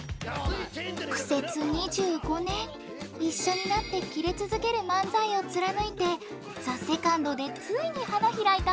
苦節２５年一緒になってキレ続ける漫才を貫いて「ＴＨＥＳＥＣＯＮＤ」でついに花開いたマシンガンズさん。